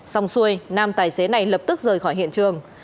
xong xuôi nam tài xế này lập tức rời khỏi hiện trường